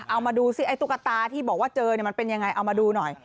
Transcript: เอามาดูซิไอ้ตุ๊กตาที่บอกว่าเจอมันเป็นยังไงเอามาดูหน่อย